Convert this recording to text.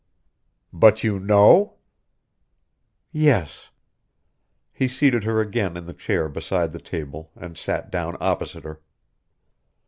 "But you know?" "Yes." He seated her again in the chair beside the table and sat down opposite her.